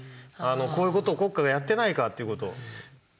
こういうことを国家がやってないかっていうことを。